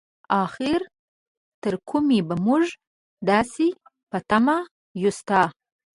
اخر تر کومې به مونږ داسې په تمه يو ستا؟